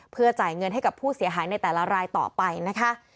เพื่อจ่ายเงินให้กับผู้เสียหายในแต่ละรายต่อไปนะคะ